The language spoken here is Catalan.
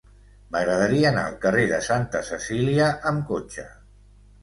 M'agradaria anar al carrer de Santa Cecília amb cotxe.